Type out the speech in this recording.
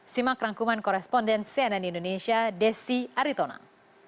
simak rangkuman koresponden cnn indonesia desi aritonang